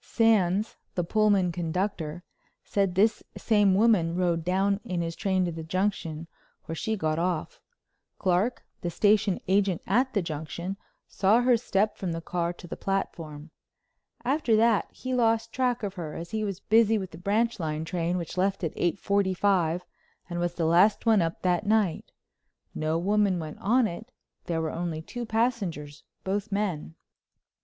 Sands, the Pullman conductor, said this same woman rode down in his train to the Junction, where she got off. Clark, the station agent at the Junction, saw her step from the car to the platform. After that he lost track of her as he was busy with the branch line train which left at eight forty five and was the last one up that night. No woman went on it, there were only two passengers, both men.